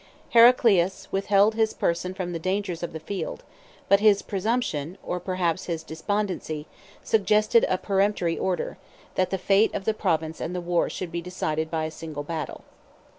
Heraclius withheld his person from the dangers of the field; but his presumption, or perhaps his despondency, suggested a peremptory order, that the fate of the province and the war should be decided by a single battle.